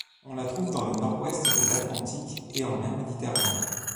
On la trouve dans le nord-ouest de l'Atlantique et en mer Méditerranée.